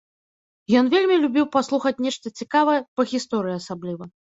Ён вельмі любіў паслухаць нешта цікавае, па гісторыі асабліва.